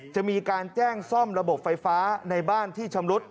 จะมีการแจ้งซ่อมระบบไฟฟ้าในบ้านที่ชำรุด